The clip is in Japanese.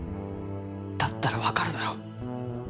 だったら分かるだろ？